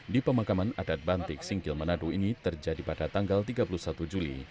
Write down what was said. di pemakaman adat banting singkil manado ini terjadi pada tanggal tiga puluh satu juli